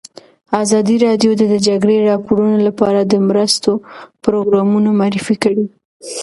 ازادي راډیو د د جګړې راپورونه لپاره د مرستو پروګرامونه معرفي کړي.